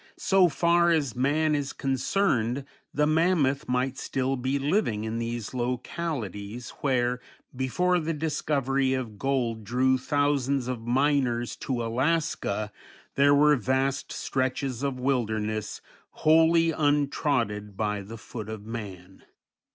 So far as man is concerned, the mammoth might still be living in these localities, where, before the discovery of gold drew thousands of miners to Alaska, there were vast stretches of wilderness wholly untrodden by the foot of man.